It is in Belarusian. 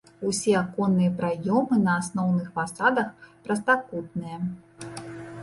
Усе аконныя праёмы на асноўных фасадах прастакутныя.